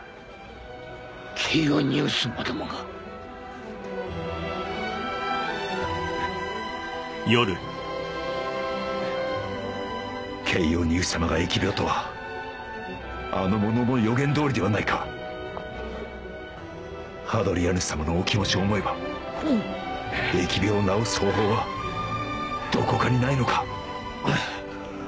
ケイオニウスまでもがケイオニウス様が疫病とはあの者の予言通りではないかハドリアヌス様のお気持ちを思えば疫病を治す方法はどこかにないのか？